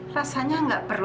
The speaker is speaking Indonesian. rasanya gak perlu